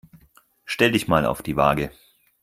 Stell dich mal auf die Waage.